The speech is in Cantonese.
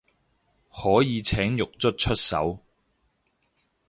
可以請獄卒出手